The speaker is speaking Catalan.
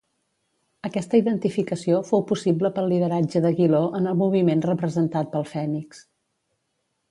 Aquesta identificació fou possible pel lideratge d'Aguiló en el moviment representat pel fènix.